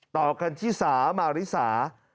ต่อกันที่สามาริสา